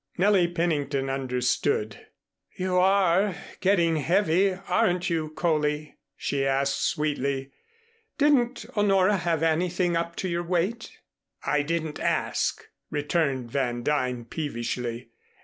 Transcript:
Nellie Pennington understood. "You are getting heavy, aren't you, Coley?" she asked sweetly. "Didn't Honora have anything up to your weight?" "I didn't ask," returned Van Duyn peevishly.